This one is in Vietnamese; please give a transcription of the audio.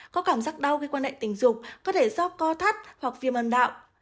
có cảm giác đau khi quan hệ tình dục có thể do co thắt hoặc viêm âm đạo